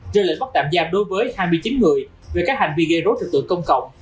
rơi lệnh bắt tạm giam đối với hai mươi chín người về các hành vi gây rốt trật tự công cộng